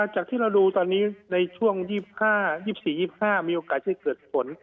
จากที่เราดูตอนนี้ในช่วง๒๕๒๔๒๕มีโอกาสจะเกิดฝน